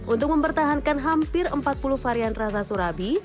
untuk mempertahankan hampir empat puluh varian rasa surabi